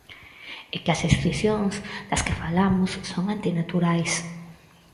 E que as escisións das que falamos son antinaturais.